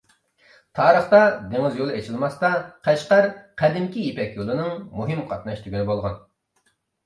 تارىختا دېڭىز يولى ئېچىلماستا، قەشقەر قەدىمكى «يىپەك يولى» نىڭ مۇھىم قاتناش تۈگۈنى بولغان.